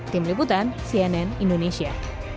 tim liputan cnn indonesia